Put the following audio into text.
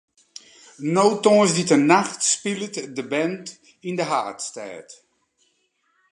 No tongersdeitenacht spilet de band yn de haadstêd.